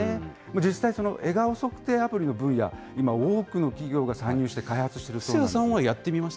実際、笑顔測定アプリの分野、今、多くの企業が参入して開発しているそうなんです。